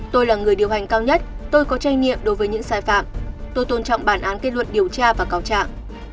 tôi là người điều hành cao nhất tôi có trách nhiệm đối với những sai phạm tôi tôn trọng bản án kết luận điều tra và cáo trạng